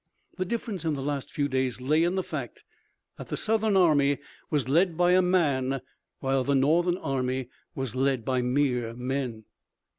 The difference in the last few days lay in the fact that the Southern army was led by a man while the Northern army was led by mere men.